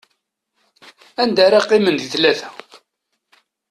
Anda ara qqimen di tlata?